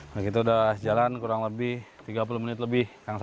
nah kita udah jalan kurang lebih tiga puluh menit